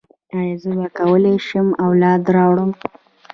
ایا زه به وکولی شم اولاد راوړم؟